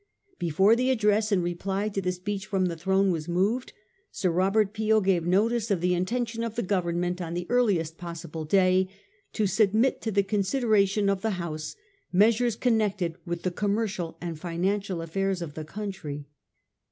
Before the address in reply to tbe speech from the throne was moved, Sir Robert Peel gave notice of the intention of the Government on the earliest possible day to submit to the consideration of the House measures connected with the commer cial and financial affairs of the country.